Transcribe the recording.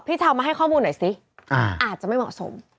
ชาวมาให้ข้อมูลหน่อยสิอาจจะไม่เหมาะสม